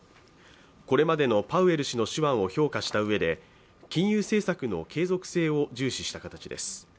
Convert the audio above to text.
これまでのパウエル氏の手腕を評価したうえで金融政策の継続性を重視した形です。